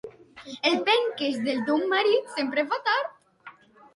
El penques del teu marit sempre fa tard.